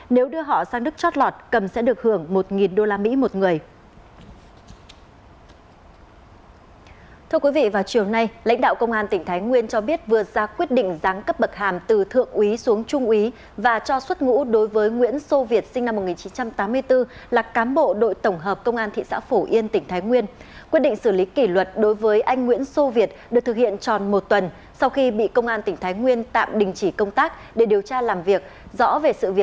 nếu đưa họ sang đức trót lọt cầm sẽ được hưởng một usd một người